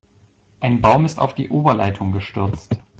Ein Baum ist auf die Oberleitung gestürzt.